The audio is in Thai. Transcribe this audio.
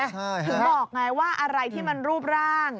ถึงบอกไงว่าอะไรที่มันรูปร่าง